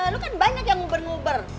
lo kan banyak yang nguber nguber